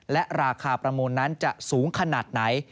และราคาประมูลนั้นจะสูงขนาดไหน